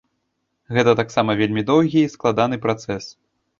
Гэта таксам вельмі доўгі й складаны працэс.